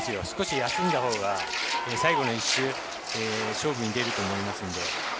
少し休んだほうが最後の１周、勝負に出ると思いますので。